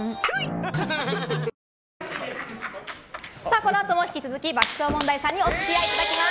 このあとも引き続き爆笑問題さんにお付き合いいただきます。